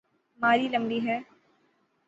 ماری لمبی ہے۔